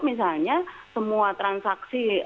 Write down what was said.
misalnya semua transaksi